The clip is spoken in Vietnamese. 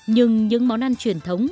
nhưng những món ăn truyền thống